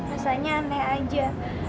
rasanya aneh aja